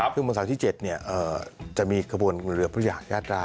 คือวันเสาร์ที่๗เนี่ยจะมีกระบวนเรือพุทธหยาดญาตรา